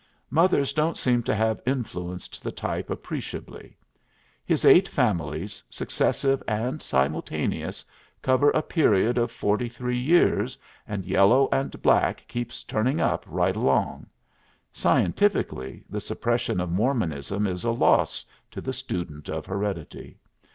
Mothers don't seem to have influenced the type appreciably. His eight families, successive and simultaneous, cover a period of forty three years, and yellow and black keeps turning up right along. Scientifically, the suppression of Mormonism is a loss to the student of heredity.